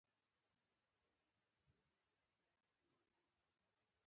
دغه شرکت زرګونه کسان استخدام کړل.